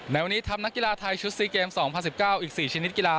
ในวันนี้ทำนักกีฬาไทยชุด๔เกม๒๐๑๙อีก๔ชนิดกีฬา